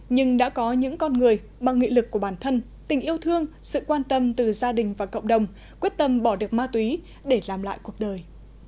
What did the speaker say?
nhưng đã có những con người bằng nghị lực của bản thân tình yêu thương sự quan tâm từ gia đình và cộng đồng quyết tâm bỏ được ma túy để làm lại cuộc đời